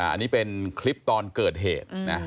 อันนี้เป็นคลิปตอนเกิดเหตุนะ